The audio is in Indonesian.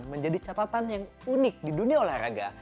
menjadi catatan yang unik di dunia olahraga